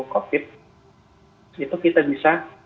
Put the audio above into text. covid itu kita bisa